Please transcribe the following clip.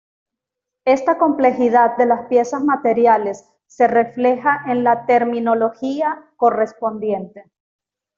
Esta complejidad de las piezas materiales se refleja en la terminología correspondiente.